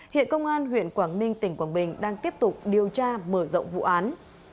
hiện công an huyện quảng ninh tỉnh quảng bình đang tiếp tục điều tra mở rộng vụ án